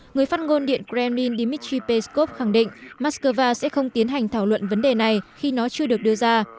người phát ngôn điện kremlin dmitry peskov khẳng định mắc cơ va sẽ không tiến hành thảo luận vấn đề này khi nó chưa được đưa ra